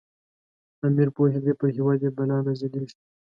امیر پوهېدی پر هیواد یې بلا نازلیږي.